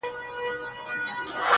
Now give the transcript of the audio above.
چي د صبر شراب وڅيښې ويده سه-